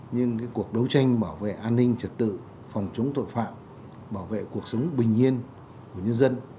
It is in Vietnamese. nhưng cuộc đấu tranh bảo vệ an ninh trật tự phòng chống tội phạm bảo vệ cuộc sống bình yên của nhân dân